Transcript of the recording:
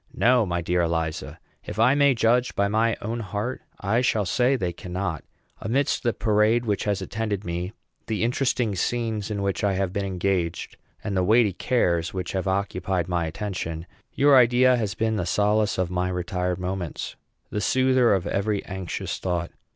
No, my dear Eliza. If I may judge by my own heart, I shall say they cannot. Amidst the parade which has attended me, the interesting scenes in which I have been engaged, and the weighty cares which have occupied my attention, your idea has been the solace of my retired moments, the soother of every anxious thought.